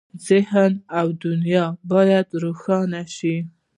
ذهن او دنیا باید روښانه شي.